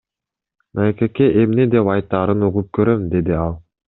МКК эмне деп айтаарын угуп көрөм, — деди ал.